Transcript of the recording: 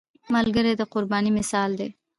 ملګری د قربانۍ مثال دی